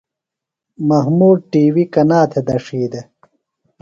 محمود ٹی وی کنا تھےۡ دڇھی دےۡ؟